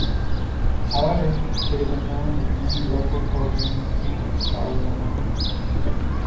However, it is unknown if any local programming changed following the ownership change.